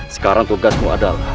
sekarang tugasmu adalah